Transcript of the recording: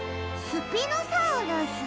スピノサウルス？